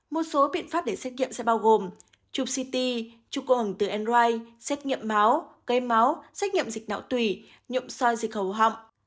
một số biện pháp để xét nghiệm sẽ bao gồm chụp ct chụp cô ẩm từ andrid xét nghiệm máu cây máu xét nghiệm dịch nạo tùy nhộm soi dịch hầu họng